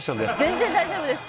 「全然大丈夫です」